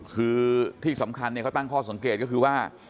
คือที่สำคัญเขาตั้งข้อสังเกตก็คือว่า